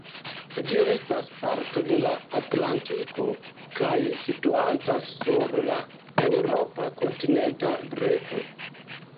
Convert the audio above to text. Ĝi estas parto de la Atlantiko kaj situantas sur la eŭropa kontinenta breto.